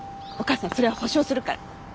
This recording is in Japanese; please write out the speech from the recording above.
お母さんそれは保証するから。